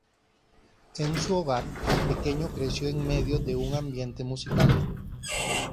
En su hogar, el pequeño creció en medio de un ambiente musical.